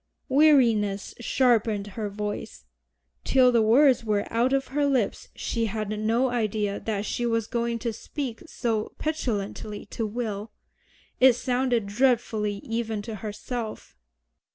Weariness sharpened her voice. Till the words were out of her lips she had no idea that she was going to speak so petulantly to Will. It sounded dreadfully even to herself.